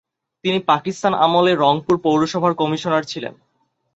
তিনি পাকিস্তান আমলে রংপুর পৌর সভার কমিশনার ছিলেন।